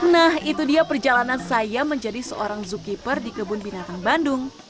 nah itu dia perjalanan saya menjadi seorang zookeeper di kebun binatang bandung